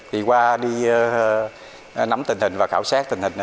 thì qua đi nắm tình hình và khảo sát tình hình